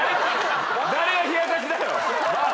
誰が冷やかしだよ！